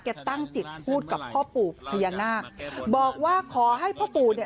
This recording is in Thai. ตั้งจิตพูดกับพ่อปู่พญานาคบอกว่าขอให้พ่อปู่เนี่ย